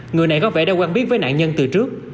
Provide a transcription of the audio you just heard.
người này có vẻ đã quen biết với nạn nhân từ trước